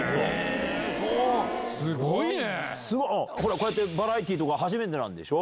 こうやってバラエティーとか初めてでしょ。